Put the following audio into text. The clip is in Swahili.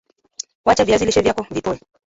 wacha viazi lishe vyako vipoe